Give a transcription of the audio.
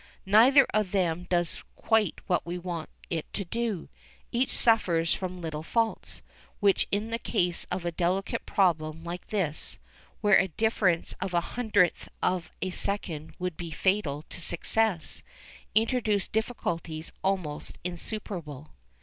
Neither of them does quite what we want it to do; each suffers from little faults, which in the case of a delicate problem like this, where a difference of a hundredth of a second would be fatal to success, introduce difficulties almost insuperable.